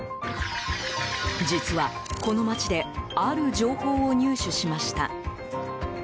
実は、この街である情報を入手しました。